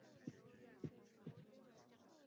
该地原是台湾府城建城总理吴鸾旗公馆。